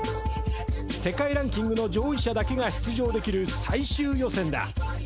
世界ランキングの上位者だけが出場できる最終予選だ。